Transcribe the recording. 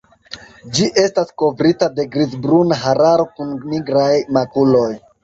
Ĝi estas kovrita de grizbruna hararo kun nigraj makuloj.